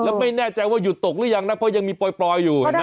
แล้วไม่แน่ใจว่าหยุดตกหรือยังนะเพราะยังมีปล่อยอยู่เห็นไหม